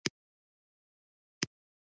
قدرت تل په خوځښت کې وي.